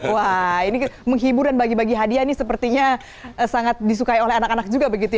wah ini menghibur dan bagi bagi hadiah ini sepertinya sangat disukai oleh anak anak juga begitu ya